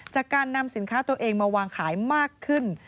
จากการนำสินค้าตัวเองมาวางขายมากขึ้น